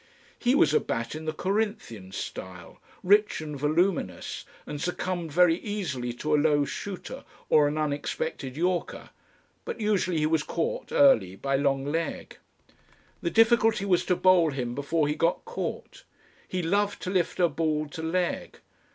He was a bat in the Corinthian style, rich and voluminous, and succumbed very easily to a low shooter or an unexpected Yorker, but usually he was caught early by long leg. The difficulty was to bowl him before he got caught. He loved to lift a ball to leg.